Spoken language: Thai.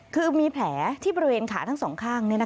คือมีแผลที่บริเวณขาทั้งสองข้าง